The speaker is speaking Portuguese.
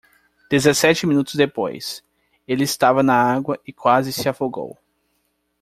Dezessete minutos depois,? ela estava na água e quase se afogou.